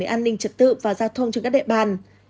đến an ninh trật tự và gia thông trên các đệ bàn